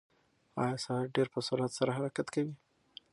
ایا ساعت ډېر په سرعت سره حرکت کوي؟